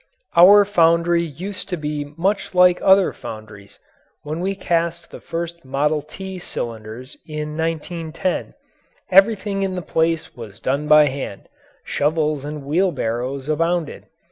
Our foundry used to be much like other foundries. When we cast the first "Model T" cylinders in 1910, everything in the place was done by hand; shovels and wheelbarrows abounded.